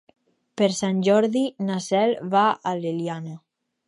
Per Sant Jordi na Cel va a l'Eliana.